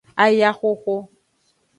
Ayahoho.